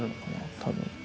多分。